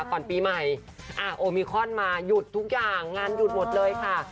ก่อนปีใหม่โอมิคอนมาหยุดทุกอย่างงานหยุดหมดเลยค่ะ